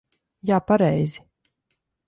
Jā, pareizi.